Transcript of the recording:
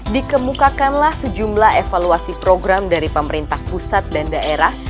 dikemukakanlah sejumlah evaluasi program dari pemerintah pusat dan daerah